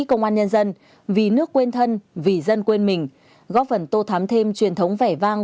công an nhân dân vì nước quên thân vì dân quên mình góp phần tô thám thêm truyền thống vẻ vang